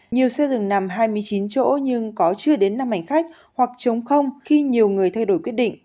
nhiều xe dừng nằm hai mươi chín chỗ nhưng có chưa đến năm hành khách hoặc chống không khi nhiều người thay đổi quyết định